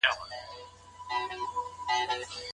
قاضي د چا تر منځ د تفريق حکم کوي؟